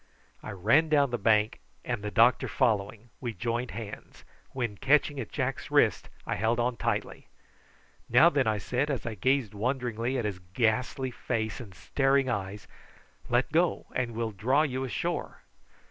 I ran down the bank and the doctor following, we joined hands, when, catching at Jack's wrist, I held on tightly. "Now, then," I said, as I gazed wonderingly in his ghastly face and staring eyes, "let go, and we'll draw you ashore."